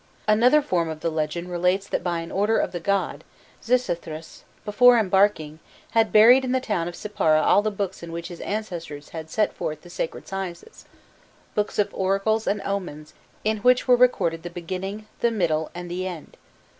'" Another form of the legend relates that by an order of the god, Xisuthros, before embarking, had buried in the town of Sippara all the books in which his ancestors had set forth the sacred sciences books of oracles and omens, "in which were recorded the beginning, the middle, and the end.